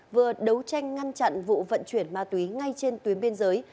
vừa đấu tranh ngăn chặn vụ vận chuyển ma túy ngay trên tuyến biên giới